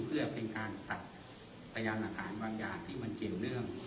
เพื่อเป็นการตัดพยานหลักฐานบางอย่างที่มันเกี่ยวเนื่อง